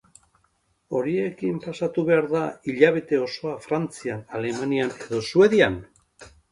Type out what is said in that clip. Horiekin pasatu behar da hilabete osoa Frantzian, Alemanian edo Suedian?